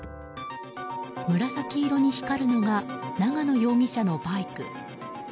紫色に光るのが永野容疑者のバイク。